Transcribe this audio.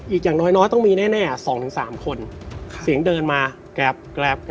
อย่างน้อยต้องมีแน่๒๓คนเสียงเดินมาแกรบแกรบ